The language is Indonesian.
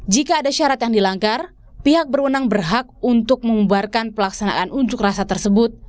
jika ada syarat yang dilanggar pihak berwenang berhak untuk memubarkan pelaksanaan unjuk rasa tersebut